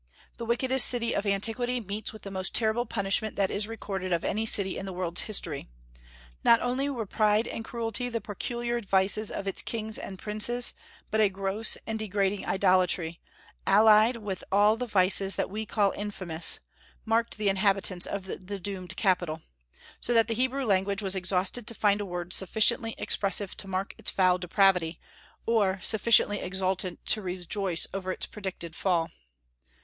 The wickedest city of antiquity meets with the most terrible punishment that is recorded of any city in the world's history. Not only were pride and cruelty the peculiar vices of its kings and princes, but a gross and degrading idolatry, allied with all the vices that we call infamous, marked the inhabitants of the doomed capital; so that the Hebrew language was exhausted to find a word sufficiently expressive to mark its foul depravity, or sufficiently exultant to rejoice over its predicted \fall.